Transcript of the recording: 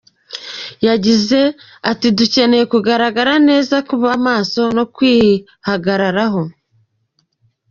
Yagize ati “Dukeneye kugaragara neza, kuba maso no kwihagararaho.